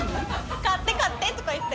買って買ってとか言って。